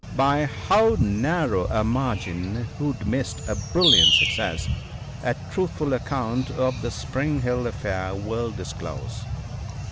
By how narrow a margin Hood missed a brilliant success, a truthful account of the Spring Hill affair will disclose.